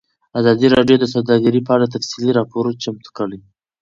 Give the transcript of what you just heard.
ازادي راډیو د سوداګري په اړه تفصیلي راپور چمتو کړی.